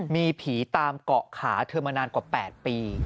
มีผีตามเกาะขาเธอมานานกว่า๘ปี